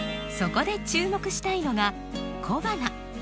そこで注目したいのが小花。